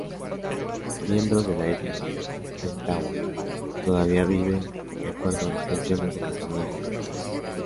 Miembros de la etnia mentawai todavía viven de acuerdo a las tradiciones de cazadores-recolectores.